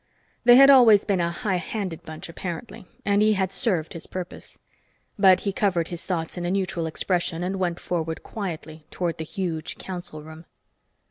They had always been a high handed bunch, apparently, and he had served his purpose. But he covered his thoughts in a neutral expression and went forward quietly toward the huge council room.